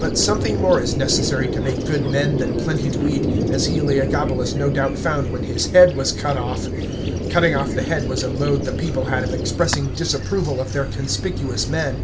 But something more is necessary to make good men than plenty to eat, as Heliogabalus no doubt found when his head was cut off. Cutting off the head was a mode the people had of expressing disapproval of their conspicuous men.